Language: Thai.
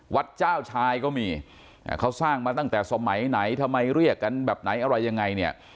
เจ้าชายก็มีเขาสร้างมาตั้งแต่สมัยไหนทำไมเรียกกันแบบไหนอะไรยังไงเนี่ย